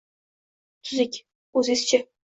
tuzik, o’zizchi